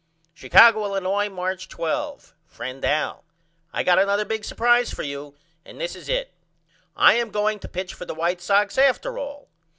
Chicago, Illinois, March 12. FRIEND AL: I got another big supprise for you and this is it I am going to pitch for the White Sox after all.